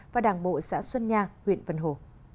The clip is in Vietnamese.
và đảng bộ xã xuân nha huyện vân hồ